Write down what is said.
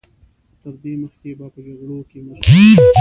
تر دې مخکې به په جګړو کې مصروف و.